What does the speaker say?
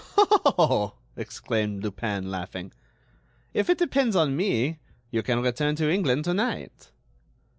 "Oh!" exclaimed Lupin, laughing, "if it depends on me you can return to England to night."